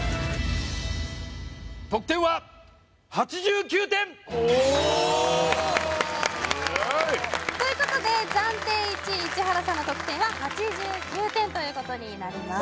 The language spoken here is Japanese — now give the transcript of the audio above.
得点は８９点・おおということで暫定１位市原さんの得点は８９点ということになります